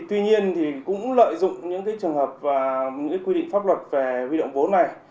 tuy nhiên thì cũng lợi dụng những trường hợp và những quy định pháp luật về huy động vốn này